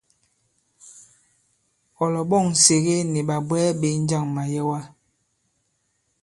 Ɔ̀ lɔ̀ɓɔ̂ŋ Nsège nì ɓàbwɛɛ ɓē njâŋ màyɛwa?